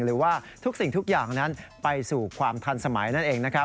หรือว่าทุกสิ่งทุกอย่างนั้นไปสู่ความทันสมัยนั่นเองนะครับ